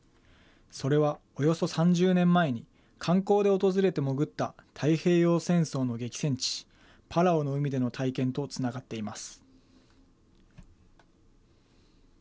それは、およそ３０年前に、観光で訪れて潜った、太平洋戦争の激戦地、パラオの海での体験とつながっています。